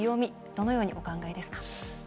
どのようにお考えですか。